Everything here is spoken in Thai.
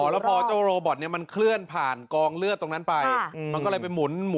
อ๋อแล้วพอเจ้ารูบอทเนี่ยมันเคลื่อนผ่านกองเลือดตรงนั้นไป